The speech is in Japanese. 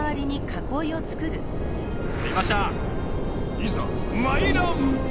いざ参らん！